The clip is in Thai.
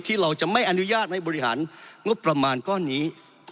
เราจะไม่อนุญาตให้บริหารงบประมาณก้อนนี้